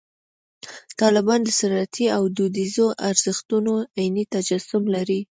طالبان د سنتي او دودیزو ارزښتونو عیني تجسم لري.